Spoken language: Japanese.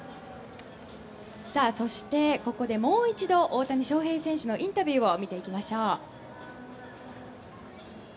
そして、ここでもう一度大谷翔平選手のインタビューを見ていきましょう。